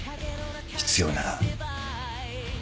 必要なら。